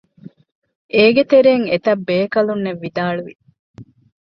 އޭގެތެރެއިން އެތައްބޭކަލުންނެއް ވިދާޅުވި